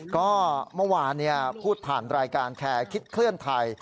ก็เมื่อวานพูดผ่านรายการแคร์คิดเคลื่อนไทย